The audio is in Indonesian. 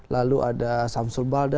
lalu ada samsul balda